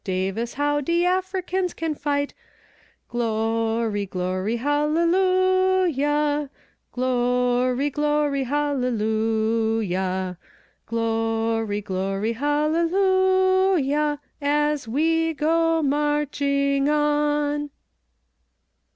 Davis how de Africans can fight! Glory, glory, hallelujah, Glory, glory, hallelujah, Glory, glory, hallelujah, As we go marching on.